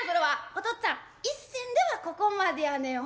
「おとっつぁん１銭ではここまでやねん。